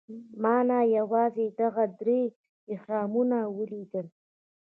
ما نه یوازې دغه درې اهرامونه ولیدل.